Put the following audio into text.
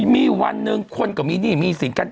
มีวันหนึ่งคนก็มีหนี้มีสินกัน